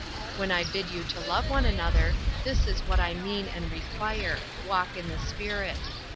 When I bid you to love one another, this is what I mean and require, 'Walk in the Spirit.'